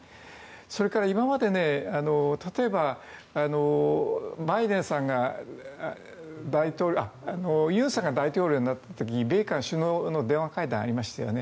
それから今まで、例えば尹さんが大統領になった時に電話会談がありましたよね。